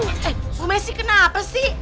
eh bu messi kenapa sih